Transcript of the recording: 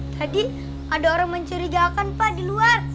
tadi ada orang mencurigakan pak di luar